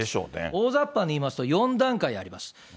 大雑把にいいますと、４段階あります。